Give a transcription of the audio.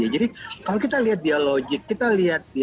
jadi kalau kita lihat dia logik kita lihat